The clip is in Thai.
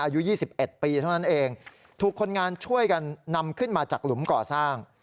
อายุ๒๑ปีเท่านั้นเองถูกคนงานช่วยกันนำขึ้นมาจากหลุมก่อสร้าง